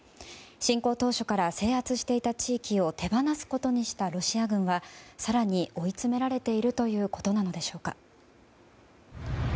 侵攻当初から制圧していた地域を手放すことにしたロシア軍は更に追い詰められているということなのでしょうか。